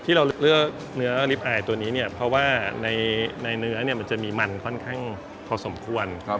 ที่เราเลือกเนื้อลิฟต์อายตัวนี้เนี่ยเพราะว่าในเนื้อมันจะมีมันค่อนข้างพอสมควร